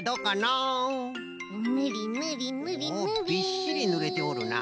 おおびっしりぬれておるな。